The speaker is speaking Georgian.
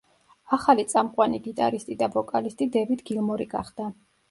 ახალი წამყვანი გიტარისტი და ვოკალისტი დევიდ გილმორი გახდა.